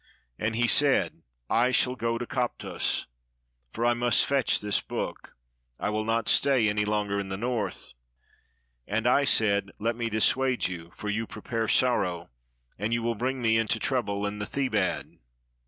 And he said, "I shall go to Koptos, for I must fetch this book; I will not stay any longer in the north." And I said, "Let me dissuade you, for you prepare sorrow and you will bring me into trou ble in the Thebaid."